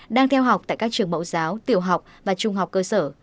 đang theo học tại các trường mẫu giáo tiểu học và trung học cơ sở